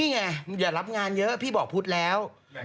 นี่แหงอย่ารับงานเยอะพี่บอกภูตรแล้ว